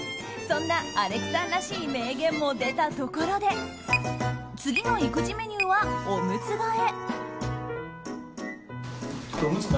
そんなアレクさんらしい名言も出たところで次の育児メニューは、おむつ替え。